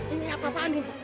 ini apa apaan ibu